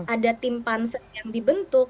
ada tim pansel yang dibentuk